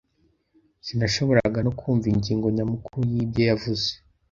Sinashoboraga no kumva ingingo nyamukuru y'ibyo yavuze.